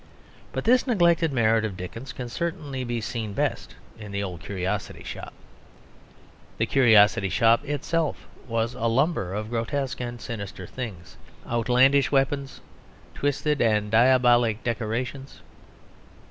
But this neglected merit of Dickens can certainly be seen best in The Old Curiosity Shop. The curiosity shop itself was a lumber of grotesque and sinister things, outlandish weapons, twisted and diabolic decorations.